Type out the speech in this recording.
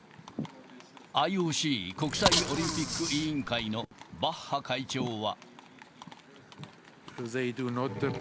ＩＯＣ・国際オリンピック委員会のバッハ会長は。